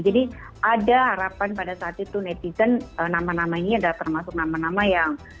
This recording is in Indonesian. jadi ada harapan pada saat itu netizen nama nama ini ada termasuk nama nama yang